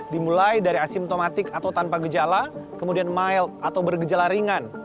dimulai dari asimptomatik atau tanpa gejala kemudian mild atau bergejala ringan